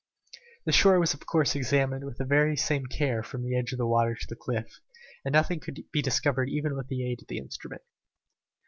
The shore was of course examined with the same care from the edge of the water to the cliff, and nothing could be discovered even with the aid of the instrument.